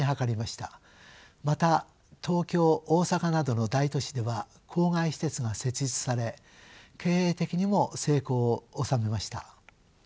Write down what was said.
また東京大阪などの大都市では郊外私鉄が設立され経営的にも成功を収めました。